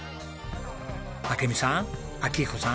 明美さん明彦さん。